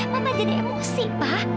mama jadi emosi pa